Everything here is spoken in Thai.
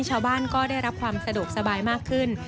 ชาวบ้านก็ได้รับความสะดวกสบายมากขึ้น